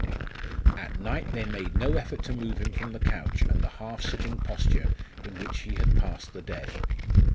At night they made no effort to move him from the couch and the half sitting posture in which he had passed the day.